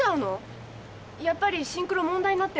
やっぱりシンクロ問題になってんの？